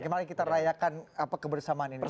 kembali kita rayakan apa kebersamaan ini